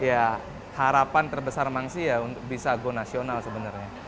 ya harapan terbesar mangsih untuk bisa go nasional sebenarnya